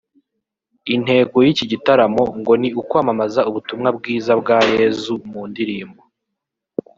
Intego y’iki gitaramo ngo ni ukwamamaza ubutumwa bwiza bwa Yezu mu ndirimbo